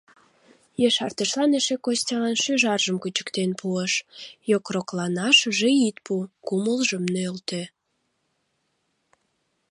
Ешартышлан эше Костялан шӱжаржым кучыктен пуыш: «йокрокланашыже ит пу, кумылжым нӧлтӧ».